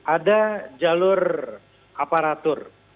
ada jalur aparatur